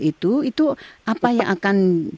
itu apa yang akan